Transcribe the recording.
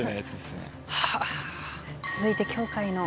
続いて。